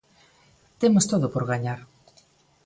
Temos todo por gañar.